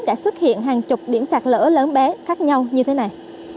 đã xuất hiện hàng chục điểm sạt lỡ lớn bé khác nhau như thế này